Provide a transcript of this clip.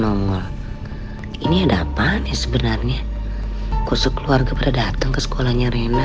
nongol ini ada apaan sebenarnya kusuk keluarga berdatang ke sekolahnya rena